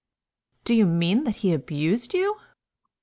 "Do you mean that he abused you?"